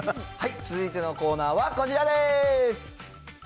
続いてはコーナーはこちらです。